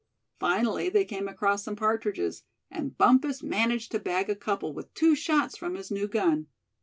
Finally they came across some partridges, and Bumpus managed to bag a couple with two shots from his new gun.